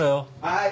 はい。